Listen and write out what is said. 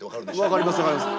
分かります分かります。